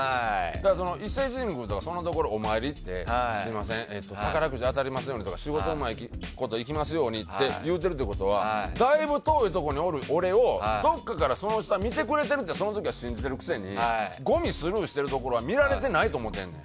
伊勢神宮とかお参りに行って宝くじに当たりますようにとか仕事もうまいこといきますようにって言うてるってことはだいぶ遠いところにおる俺をどっかからその人は見てくれてるってその時は信じてるくせにごみスルーしてるところは見られてないと思ってる。